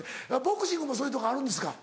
ボクシングもそういうとこあるんですか？